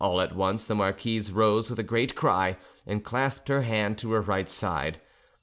All at once the marquise rose with a great cry and clasped her hand to her right side.